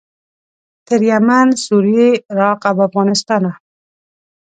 تر یمن، سوریې، عراق او افغانستانه.